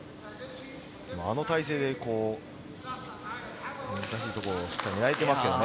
あの体勢で難しいところをしっかり狙えていますけれどもね。